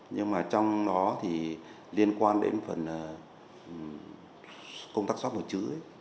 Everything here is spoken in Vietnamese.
nhưng mà trong đó thì liên quan đến phần công tác xóa mùa chữ